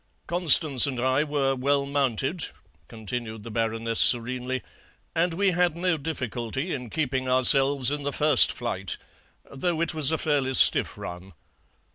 "Constance and I were well mounted," continued the Baroness serenely, "and we had no difficulty in keeping ourselves in the first flight, though it was a fairly stiff run.